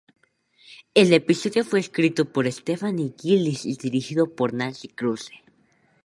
El episodio fue escrito por Stephanie Gillis y dirigido por Nancy Kruse.